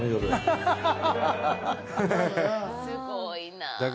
すごいなあ。